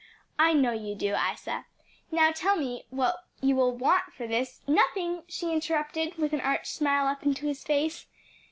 "I know you do, Isa. Now tell me what you will want for this " "Nothing," she interrupted, with an arch smile up into his face.